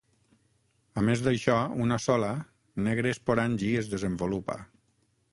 A més d'això, una sola, negre esporangi es desenvolupa.